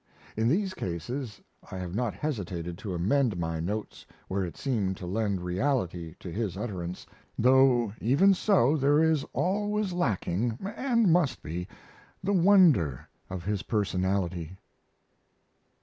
In these cases I have not hesitated to amend my notes where it seemed to lend reality to his utterance, though, even so, there is always lacking and must be the wonder of his personality.